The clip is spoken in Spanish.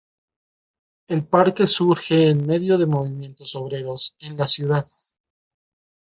El parque surge en medio de movimientos obreros en la ciudad.